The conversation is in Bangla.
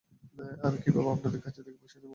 আমি কীভাবে আপনাদের কাছে থেকে পয়সা নিবো?